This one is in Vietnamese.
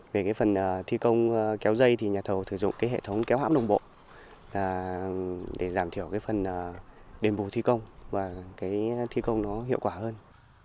về phần thi công kéo dây thì nhà thầu sử dụng hệ thống kéo hãm đồng bộ để giảm thiểu phần đền bù thi công và thi công hiệu quả hơn